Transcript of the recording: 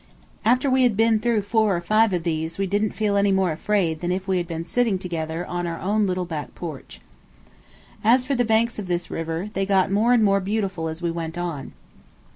After we had been through four or five of these we didn't feel any more afraid than if we had been sitting together on our own little back porch. As for the banks of this river, they got more and more beautiful as we went on.